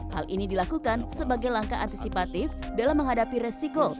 hal ini dilakukan sebagai langkah antisipatif dalam menghadapi resiko